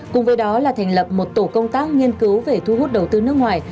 cùng với đó là thành lập một tổ công tác nghiên cứu về thu hút đầu tư nước ngoài